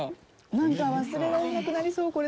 なんか忘れられなくなりそう、これ。